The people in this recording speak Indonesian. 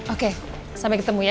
oke sampai ketemu ya